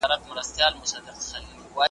جذباتو ته د عقل په سترګه مه ګورئ.